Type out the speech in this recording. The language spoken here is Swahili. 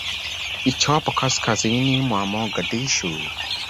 ichopo kaskazini mwa mogadishu